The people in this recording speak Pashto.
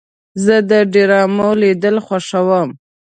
زه د ډرامو لیدل خوښوم.